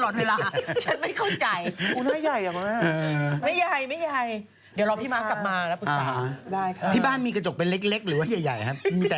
ในบ้านมีกระจกเล็กหรือไง